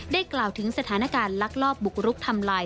กล่าวถึงสถานการณ์ลักลอบบุกรุกทำลาย